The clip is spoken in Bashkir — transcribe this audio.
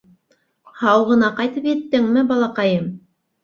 — Һау ғына ҡайтып еттеңме, балаҡайым?